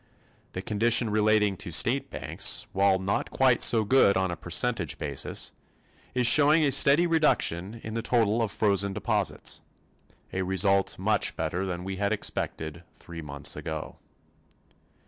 The condition relating to state banks, while not quite so good on a percentage basis, is showing a steady reduction in the total of frozen deposits a result much better than we had expected three months ago.